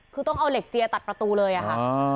คือต้องเอาเหล็กเจียตัดประตูเลยอะค่ะ